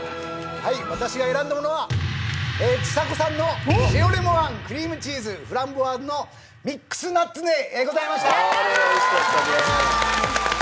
私が選んだものはちさ子さんの塩レモンあんクリームチーズフランボワーズのミックスナッツでございました。